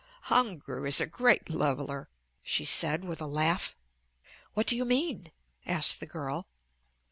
"Hunger is a great leveler," she said with a laugh. "What do you mean?" asked the girl.